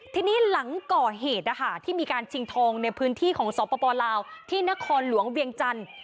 ทีนี้หลังก่อเหตุนะคะที่มีการชิงทองในพื้นที่ของสปลาวที่นครหลวงเวียงจันทร์